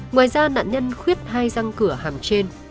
ngoài ra nạn nhân khuyết hai răng cửa hàm trên